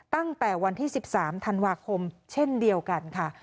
ตั้งแต่วันที่๑๓ธันวาคมเช่นเดียวกันค่ะ